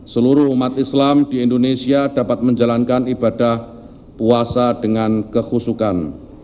seluruh umat islam di indonesia dapat menjalankan ibadah puasa dengan kehusukan